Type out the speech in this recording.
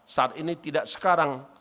saat ini tidak sekarang